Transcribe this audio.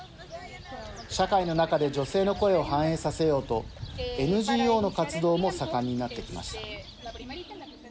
社会の中で女性の声を反映させようとＮＧＯの活動も盛んになってきました。